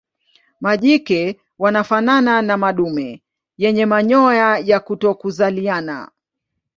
Majike wanafanana na madume yenye manyoya ya kutokuzaliana.